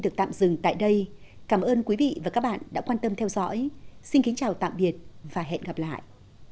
cảm ơn các bạn đã theo dõi và hẹn gặp lại